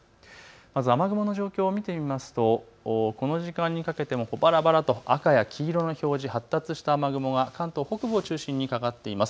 まず雨雲の状況を見てみますとこの時間にかけても赤や黄色の表示、発達した雨雲が関東北部を中心にかかっています。